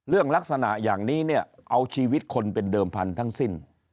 ลักษณะอย่างนี้เนี่ยเอาชีวิตคนเป็นเดิมพันธุ์ทั้งสิ้น